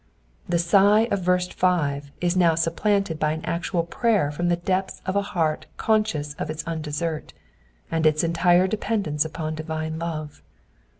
The sigh of verse 5 is now supplanted by an actual Srayer from the depths of a heart conscious of its undesert, and its entire ependence upon divine love.